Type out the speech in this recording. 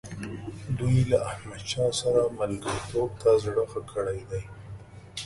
دوی له احمدشاه سره ملګرتوب ته زړه ښه کړی دی.